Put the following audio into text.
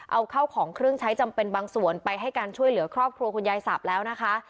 เอาเข้าของเครื่องใช้จำเป็นบางส่วนไปให้การช่วยเหลือครอบครัวคุณยายสับแล้วนะคะ